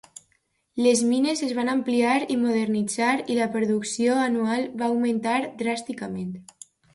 Les mines es van ampliar i modernitzar, i la producció anual va augmentar dràsticament.